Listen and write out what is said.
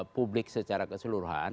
publik secara keseluruhan